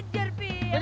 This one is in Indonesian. nanti gua dilihat